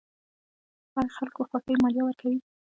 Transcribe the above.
آیا خلک په خوښۍ مالیه ورکوي؟